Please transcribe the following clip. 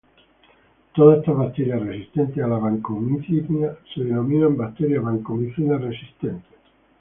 Todas estas bacterias resistentes a la vancomicina se denominan bacterias vancomicina-resistentes.